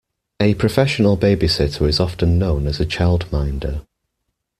A professional babysitter is often known as a childminder